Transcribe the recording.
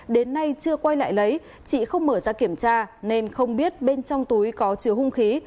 đến nay chưa quay lại lấy chị không mở ra kiểm tra nên không biết bên trong túi có chứa hung khí